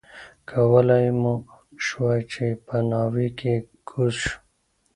کولای مو شوای چې په ناوې کې کوز شو.